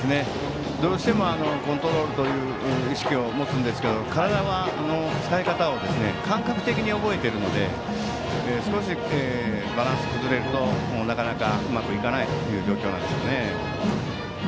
どうしてもコントロールの意識を持つんですが体の使い方を感覚的に覚えているので少しバランスが崩れるとなかなかうまくいかない状況なんでしょうね。